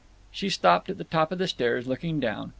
She stood at the top of the stairs looking down.